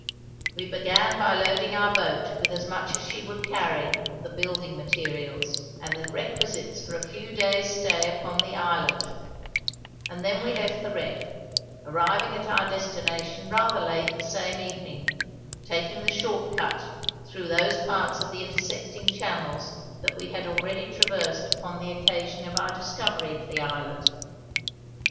We began by loading our boat with as much as she would carry of the building materials and the requisites for a few days' stay upon the islet; and then we left the wreck, arriving at our destination rather late the same evening, taking the short cut through those parts of the intersecting channels that we had already traversed upon the occasion of our discovery of the islet.